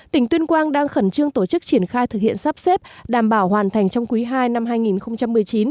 tỉnh tuyên quang đang khẩn trương tổ chức triển khai thực hiện sắp xếp đảm bảo hoàn thành trong quý ii năm hai nghìn một mươi chín